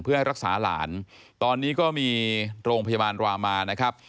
เพื่อให้รักษาหลานตอนนี้ก็มีโรงพยาบาลรามานะครับ